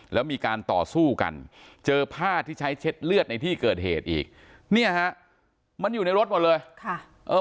แล้วมีการต่อสู้กันเจอผ้าที่ใช้เช็ดเลือดในที่เกิดเหตุอีกเนี่ยฮะมันอยู่ในรถหมดเลยค่ะเออ